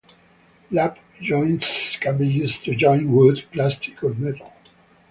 Lap joints can be used to join wood, plastic, or metal.